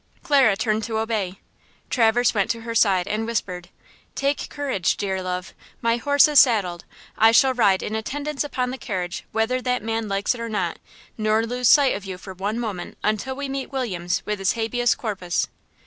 Clara turned to obey–Traverse went to her side and whispered: "Take courage, dear love. My horse is saddled. I shall ride in attendance upon the carriage whether that man likes it or not; nor lose sight of you for one moment until we meet Williams with his habeas corpus."